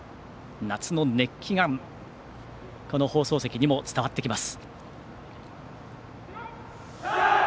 夏の熱気がこの放送席にも伝わってきます。